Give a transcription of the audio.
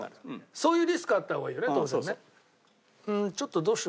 そういうリスクはあった方がいいよね当然ね。